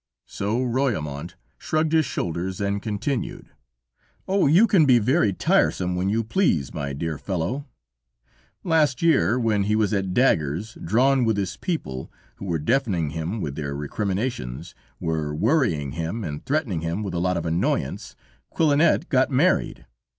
So Royaumont shrugged his shoulders and continued: "Oh you can be very tiresome when you please, my dear fellow!... Last year, when he was at daggers drawn with his people, who were deafening him with their recriminations, were worrying him and threatening him with a lot of annoyance, Quillanet got married.